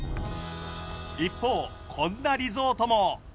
一方こんなリゾートも。